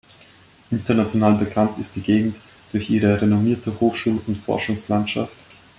International bekannt ist die Gegend durch ihre renommierte Hochschul- und Forschungslandschaft.